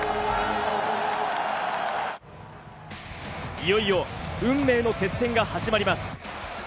いよいよ運命の決戦が始まります。